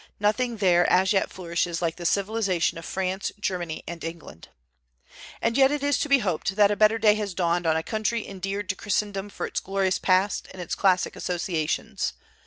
Nothing there as yet flourishes like the civilization of France, Germany, and England. And yet it is to be hoped that a better day has dawned on a country endeared to Christendom for its glorious past and its classic associations.